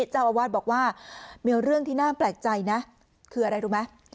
เจ้าอาวาสบอกว่ามีเรื่องที่น่าแปลกใจนะคืออะไรรู้ไหม